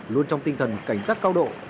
luôn trong tinh thần cảnh sát cao độ